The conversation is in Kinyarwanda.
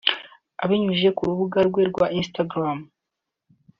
Abinyujije ku rubuga rwa Instagram